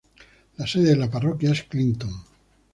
La sede de la parroquia es Clinton.